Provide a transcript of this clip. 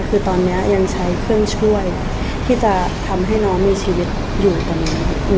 คือตอนนี้ยังใช้เครื่องช่วยที่จะทำให้น้องมีชีวิตอยู่ตอนนี้